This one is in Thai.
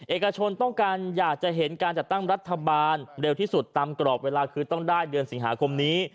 เอกชนต้องการอยากจะเห็นการจัดตั้งรัฐบาลเร็วที่สุดตามกรอบเวลาคือต้องได้เดือนสิงหาคมนี้